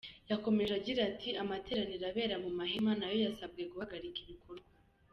Yakomeje agira ati “Amateraniro abera mu mahema nayo yasabwe guhagarika ibikorwa.